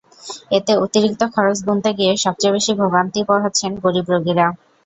এতে অতিরিক্ত খরচ গুনতে গিয়ে সবচেয়ে বেশি ভোগান্তি পোহাচ্ছেন গরিব রোগীরা।